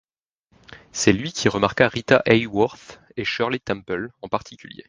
C'est lui qui remarque Rita Hayworth et Shirley Temple en particulier.